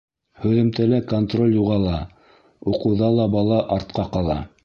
Һөҙөмтәлә контроль юғала, уҡыуҙа ла бала артҡа ҡала.